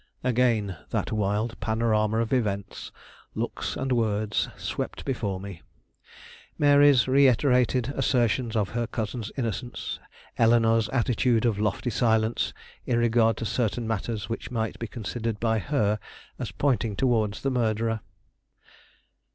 Again that wild panorama of events, looks, and words swept before me. Mary's reiterated assertions of her cousin's innocence, Eleanore's attitude of lofty silence in regard to certain matters which might be considered by her as pointing towards the murderer.